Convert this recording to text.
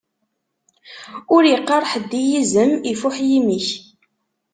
Ur iqqaṛ ḥedd i yizem: ifuḥ yimi-k!